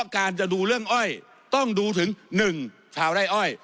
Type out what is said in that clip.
การจะดูเรื่องอ้อยต้องดูถึง๑ชาวไร่อ้อย